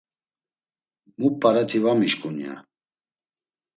Mu p̌areti va mişǩun, ya.